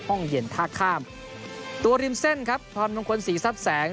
ห้องเย็นท่าข้ามตัวริมเส้นครับพรมงคลศรีทรัพย์แสง